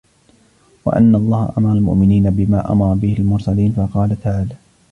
وإِنَّ اللهَ أَمَرَ الْمُؤْمِنِينَ بِمَا أَمَرَ بِهِ الْمُرْسَلِينَ، فَقَالَ تَعَالَى: